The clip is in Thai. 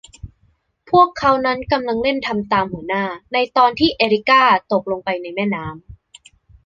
พวกเขานั้นกำลังเล่น ทำตามหัวหน้า ในตอนที่ เอริก้าตกลงไปในแม่น้ำ